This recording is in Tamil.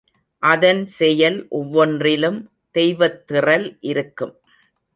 அதன் செயல் ஒவ்வொன்றிலும் தெய்வத்திறல் இருக்கும்.